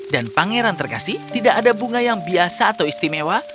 dan pangeran terkasih tidak ada bunga yang biasa atau istimewa